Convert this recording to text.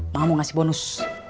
mama mau ngasih bonus